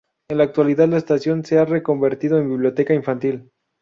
En la actualidad, la estación se ha reconvertido en biblioteca infantil.